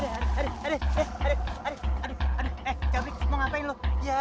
eh cabik mau ngapain lo